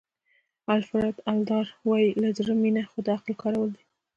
الفرډ اډلر وایي له زړه مینه خو د عقل کارول دي.